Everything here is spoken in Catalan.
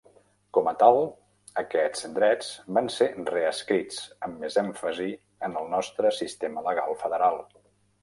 Com a tal, aquests drets van ser reescrits amb més èmfasi en el nostre sistema legal federal.